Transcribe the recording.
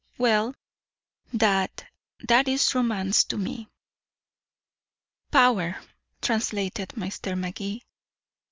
Well that that's romance to me." "Power," translated Mr. Magee.